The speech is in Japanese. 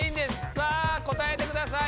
さあ答えてください。